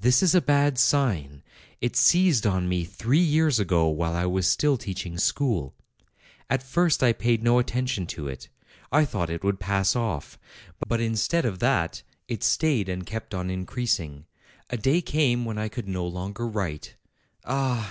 'This is a bad sign. It seized on me three years ago, while I was still teaching school. At first I paid no attention to it; I thought it would pass off. But instead of that, it stayed and kept on increasing. A day came when I could no longer write. Ah!